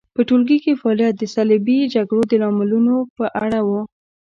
په ټولګي کې فعالیت د صلیبي جګړو د لاملونو په اړه و.